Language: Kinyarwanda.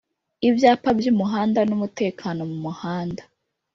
Ibyapa by’umuhanda n’umutekano mu muhanda